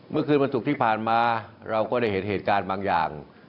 เมื่อคืนวันศุกร์ที่ผ่านมาเราก็ได้เห็นเหตุการณ์บางอย่าง